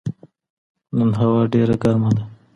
نن هوا ډېره ګرمه ده